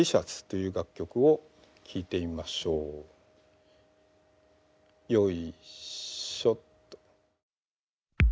よいしょっと。